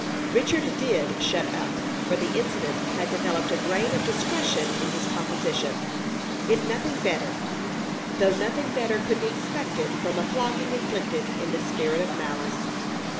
Richard did shut up, for the incident had developed a grain of discretion in his composition, if nothing better though nothing better could be expected from a flogging inflicted in the spirit of malice.